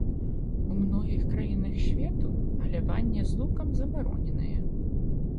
У многіх краінах свету паляванне з лукам забароненае.